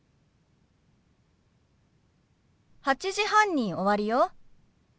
８時半に終わるよ。